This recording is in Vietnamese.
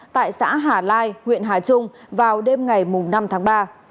tại xã hà lai huyện hà trung vào đêm ngày năm tháng ba